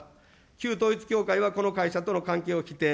旧統一教会はこの会社との関係を否定。